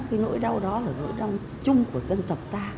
cái nỗi đau đó là nỗi đau chung của dân tộc ta